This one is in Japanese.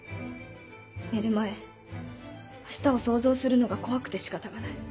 寝る前明日を想像するのが怖くて仕方がない。